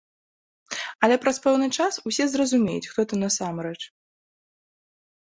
Але праз пэўны час усе зразумеюць, хто ты насамрэч.